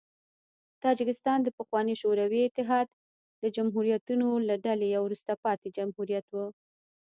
تاجکستان د پخواني شوروي اتحاد د جمهوریتونو له ډلې یو وروسته پاتې جمهوریت و.